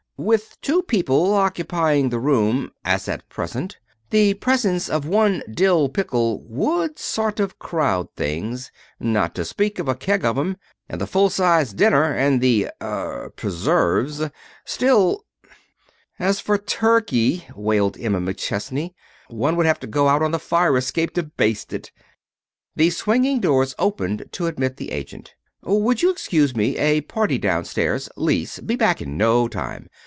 "With two people occupying the room, as at present, the presence of one dill pickle would sort of crowd things, not to speak of a keg of 'em, and the full sized dinner, and the er preserves. Still " "As for a turkey," wailed Emma McChesney, "one would have to go out on the fire escape to baste it." The swinging door opened to admit the agent. "Would you excuse me? A party down stairs lease be back in no time.